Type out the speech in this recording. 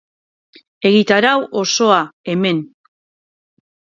Egitarau osoa, hemen.